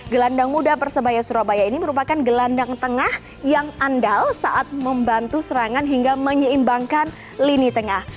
gelandang muda persebaya surabaya ini merupakan gelandang tengah yang andal saat membantu serangan hingga menyeimbangkan lini tengah